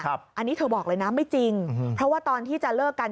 อันนี้เธอบอกเลยนะไม่จริงเพราะว่าตอนที่จะเลิกกัน